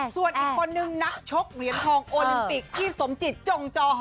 ส่วนอีกคนนึงนักชกเหรียญทองโอลิมปิกพี่สมจิตจงจอหอ